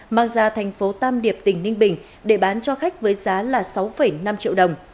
mang ra tp tam điệp tỉnh ninh bình để bán cho khách với giá sáu năm triệu đồng